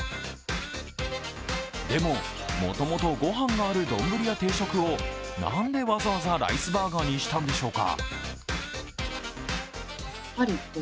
でも、もともと御飯がある丼や定食をなんでわざわざライスバーガーにしたんでしょうか？